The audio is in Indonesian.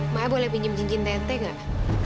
mai boleh pinjem cincin teteh nggak